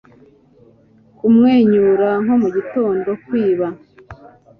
kumwenyura nko mu gitondo kwiba